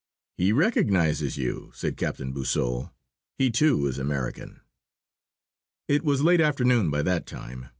"He recognises you!" said Captain Boisseau. "He too is American." It was late afternoon by that time.